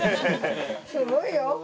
すごいよ。